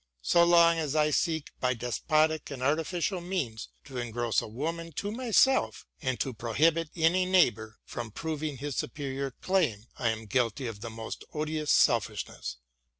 So long as I seek by despotic and artificial means to engross a woman to myself and to prohibit any neighbour from proving his superior claim, I am guilty of the most odious selfishness.